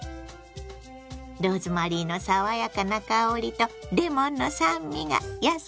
ローズマリーの爽やかな香りとレモンの酸味が野菜に合うわ。